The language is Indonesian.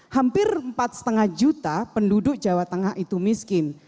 hampir empat lima juta penduduk jawa tengah itu miskin